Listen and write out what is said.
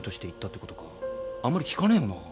あんまり聞かねえよな。